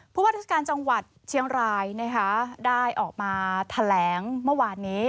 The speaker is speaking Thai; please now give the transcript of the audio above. ว่าราชการจังหวัดเชียงรายนะคะได้ออกมาแถลงเมื่อวานนี้